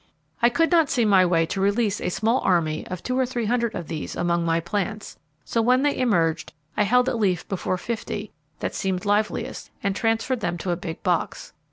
I could not see my way to release a small army of two or three hundred of these among my plants, so when they emerged I held a leaf before fifty, that seemed liveliest, and transferred them to a big box.